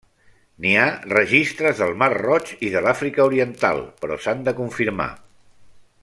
N'hi ha registres del mar Roig i de l'Àfrica Oriental però s'han de confirmar.